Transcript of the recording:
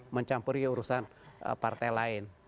mencampuri urusan partai lain